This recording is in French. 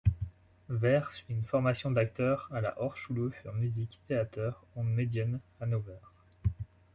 Verres suit une formation d'acteur à la Hochschule für Musik, Theater und Medien Hannover.